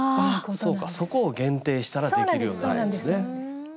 そうかそこを限定したらできるようになるんですね。